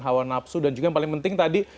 hawa nafsu dan juga yang paling penting tadi